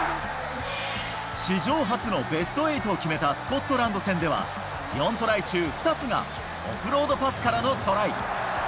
史上初のベスト８を決めたスコットランド戦では、４トライ中２つがオフロードパスからのトライ。